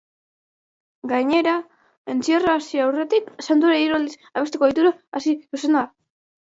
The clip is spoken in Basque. Gainera, entzierroa hasi aurretik santuari hiru aldiz abesteko ohitura hasi zuena da.